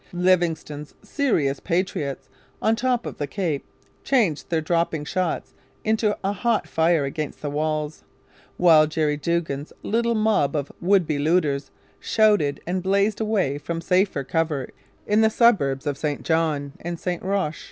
Livingston's serious 'patriots' on the top of the Cape changed their dropping shots into a hot fire against the walls; while Jerry Duggan's little mob of would be looters shouted and blazed away from safer cover in the suburbs of St John and St Roch.